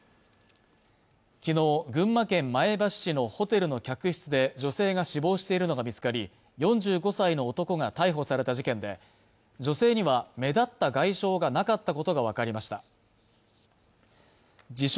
きのう群馬県前橋市のホテルの客室で女性が死亡しているのが見つかり４５歳の男が逮捕された事件で女性には目立った外傷がなかったことが分かりました自称